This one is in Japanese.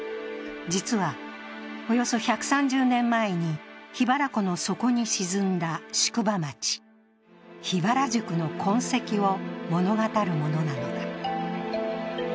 実は、およそ１３０年前に桧原湖の底に沈んだ宿場町、桧原宿の痕跡を物語るものなのだ。